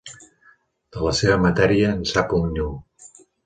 De la seva matèria, en sap un niu.